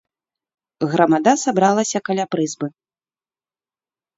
Грамада сабралася каля прызбы.